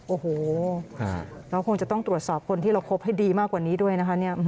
โอ้โหเราคงจะต้องตรวจสอบคนที่เราคบให้ดีมากกว่านี้ด้วยนะคะ